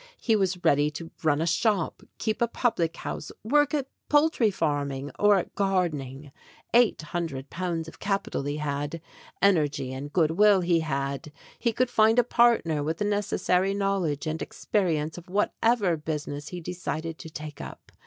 He was ready to run a shop, keep a public house, work at poultry farming, or at gardening. Eight hundred pounds of capital he had; energy and good will he had ; he could find a partner with the nec essary knowledge and experience of whatever business he decided to take up.